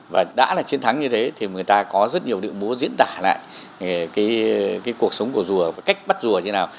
và đã là chiến thắng như thế thì người ta có rất nhiều địa múa diễn tả lại cuộc sống của rùa cách bắt rùa như thế nào